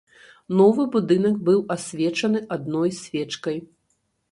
Новы будынак быў асвечаны адной свечкай.